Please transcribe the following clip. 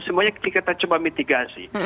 semuanya kita coba mitigasi